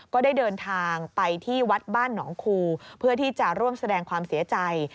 ก็ได้เดินทางไปที่วัดบ้านหนองคูเพื่อที่จะร่วมแสดงความเสียใจ